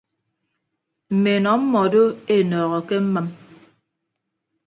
Mme enọ mmọdo enọọho ke mmʌm.